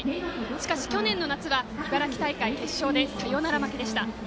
しかし、去年の夏は茨城大会決勝でサヨナラ負けでした。